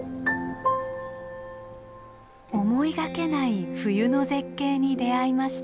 思いがけない冬の絶景に出会いました。